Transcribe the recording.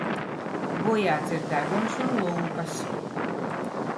Bojāts ir deguns un lūpas.